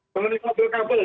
mengenai mobil kabel